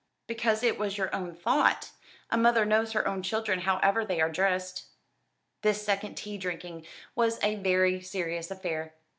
"Because it was your own thought. A mother knows her own children however they are dressed." This second tea drinking was a very serious affair.